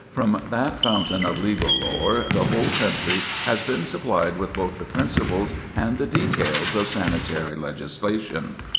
From that fountain of legal lore the whole country has been supplied with both the principles and the details of sanitary legislation.